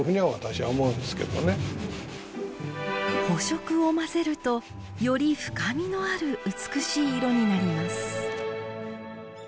補色を混ぜるとより深みのある美しい色になります